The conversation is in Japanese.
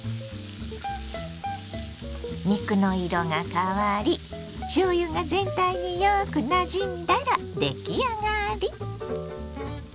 肉の色が変わりしょうゆが全体によくなじんだら出来上がり。